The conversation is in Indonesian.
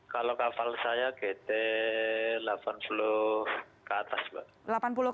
kalau kapal saya gt delapan puluh ke atas mbak